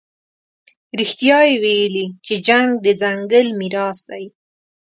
رښتیا یې ویلي چې جنګ د ځنګل میراث دی.